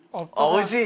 おいしい！